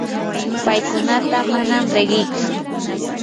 paykunata manam riqitsu.